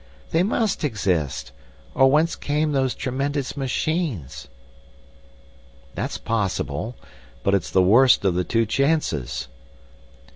"They must exist, or whence came those tremendous machines?" "That's possible, but it's the worst of the two chances."